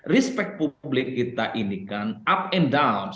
respect publik kita ini kan up and down